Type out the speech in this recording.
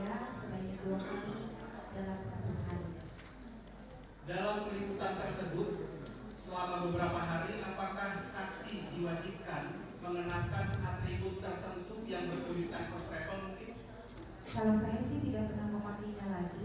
yang diharuskan kepada kita adalah buka caption berarti hashtag pak hashtagnya vvip uproar vvip uproar first reform